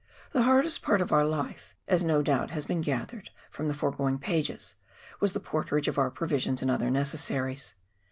The hardest part of our life, as no doubt has been gathered from the foregoing pages, was the porterage of our pro visions and other necessaries.